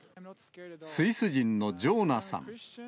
スイス人のジョーナさん。